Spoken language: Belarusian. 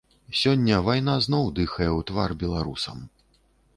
Сёння вайна зноў дыхае ў твар беларусам.